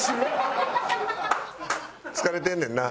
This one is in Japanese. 疲れてんねんな。